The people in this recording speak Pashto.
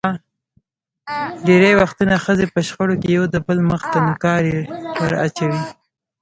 ډېری وختونه ښځې په شخړو کې یو دبل مخ ته نوکارې ور اچوي.